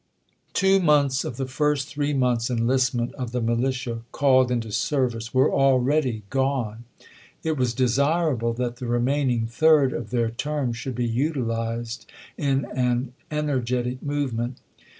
Two months of the first three months' enlist ment of the militia called into service were already gone ; it was desirable that the remaining third of their term should be utilized in an energetic movement.